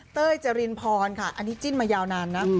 เต้ยจรินพรค่ะอันนี้จิ้นมายาวนานนะ